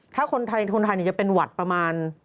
ถ้าคนไทยจะเป็นหวัดประมาณ